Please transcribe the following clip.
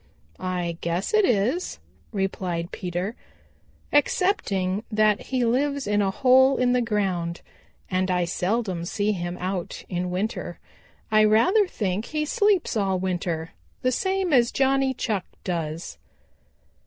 "I guess it is," replied Peter, "excepting that he lives in a hole in the ground, and I seldom see him out in winter. I rather think he sleeps all winter, the same as Johnny Chuck does."